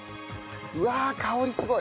うわ香りすごい。